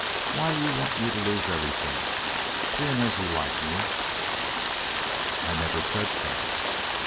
Why you want me to lose everything, seeing as you like me " "I never said so."